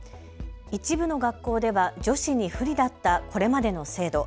一部の学校では女子に不利だったこれまでの制度。